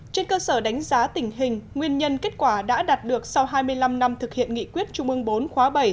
trên cơ sở đánh giá tình hình nguyên nhân kết quả đã đạt được sau hai mươi năm năm thực hiện nghị quyết trung ương bốn khóa bảy